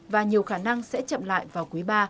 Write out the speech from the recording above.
và nhiều khả năng sẽ chậm lại vào quý ba